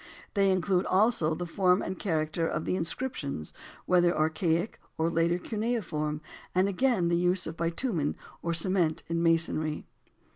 They include also the form and character of the inscriptions, whether archaic or later cuneiform, and again the use of bitumen or cement in masonry.